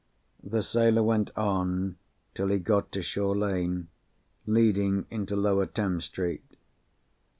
The sailor went on, till he got to Shore Lane, leading into Lower Thames Street.